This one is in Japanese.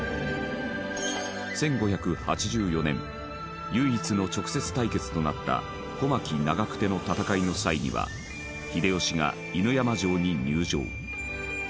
１５８４年唯一の直接対決となった小牧・長久手の戦いの際には秀吉が犬山城に入城。